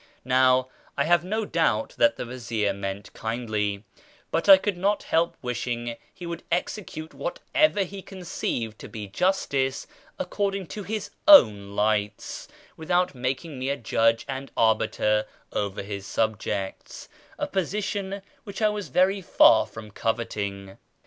Now, I have no doubt that the vazir meant kindly, but I could not help wishing he would execute what ever he conceived to be justice according to his own lights, without making me a judge and arbiter over his subjects — a position W'hich I was very far from coveting.